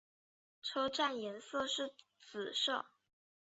车站颜色是紫色。